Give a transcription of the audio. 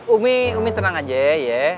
umi tenang aja ya